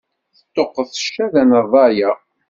Teṭṭuqqet ccada n rrya.